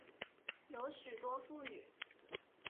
有许多妇女